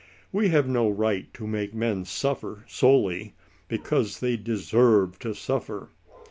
We have no right to make men sufler solely *' because they deserve to suffer."